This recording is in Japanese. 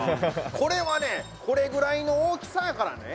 これはね、これぐらいの大きさやからね。